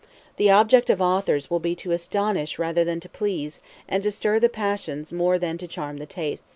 The object of authors will be to astonish rather than to please, and to stir the passions more than to charm the taste.